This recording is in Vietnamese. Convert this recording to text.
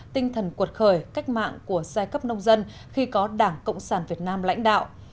tinh thần cuột khởi cách mạng của giai cấp nông dân khi có đảng cộng sản việt nam lãnh đạo